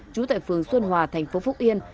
trú tại phường xuân hòa tp phúc yên